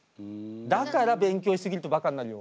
だから勉強しすぎるとバカになるよ。